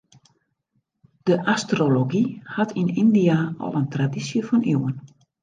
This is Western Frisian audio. De astrology hat yn Yndia al in tradysje fan iuwen.